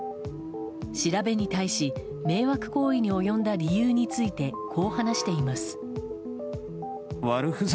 調べに対し迷惑行為に及んだ理由についてこう話しています。